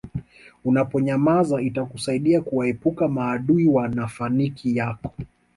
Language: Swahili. Unaponyamaza itakusaidia kuwaepuka maadui wa nafanikii yako